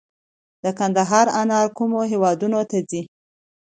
د کندهار انار کومو هیوادونو ته ځي؟